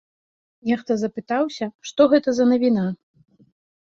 Нехта запытаўся, што гэта за навіна.